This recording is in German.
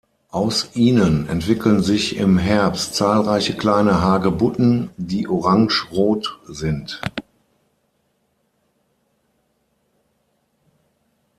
Aus ihnen entwickeln sich im Herbst zahlreiche kleine Hagebutten, die orangerot sind.